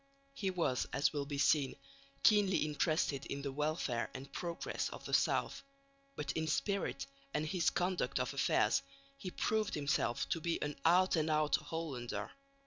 He was, as will be seen, keenly interested in the welfare and progress of the south, but in spirit and in his conduct of affairs he proved himself to be an out and out Hollander.